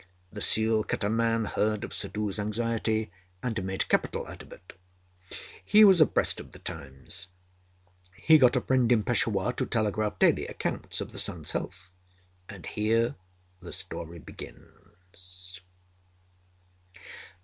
The seal cutter man heard of Suddhoo's anxiety and made capital out of it. He was abreast of the times. He got a friend in Peshawar to telegraph daily accounts of the son's health. And here the story begins.